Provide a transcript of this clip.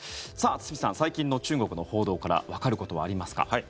堤さん、最近の中国の報道からわかることはありますか。